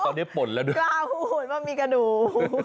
กล้าพูดว่ามีกระดูก